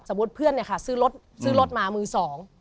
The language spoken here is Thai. สมมุติเพื่อนซื้อรถมามือสอง